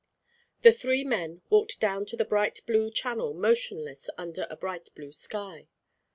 The three men walked down to the bright blue channel motionless under a bright blue sky.